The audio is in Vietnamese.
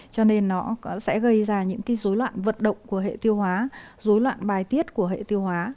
cho nên nó sẽ gây ra những cái dối loạn vận động của hệ tiêu hóa dối loạn bài tiết của hệ tiêu hóa